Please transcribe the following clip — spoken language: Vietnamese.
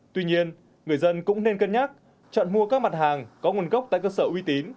tuy nhiên người dân cũng nên cân nhắc chọn mua các mặt hàng có nguồn gốc tại cơ sở uy tín